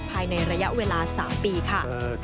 ภายในระยะเวลา๓ปีค่ะ